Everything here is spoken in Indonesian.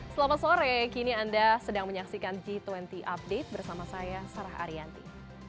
selamat sore kini anda sedang menyaksikan g dua puluh update bersama saya sarah ariyanti